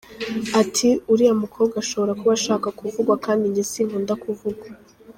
Ati: “Uriya mukobwa ashobora kuba ashaka kuvugwa kandi njye sinkunda kuvugwa.